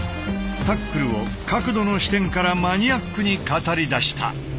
タックルを角度の視点からマニアックに語りだした。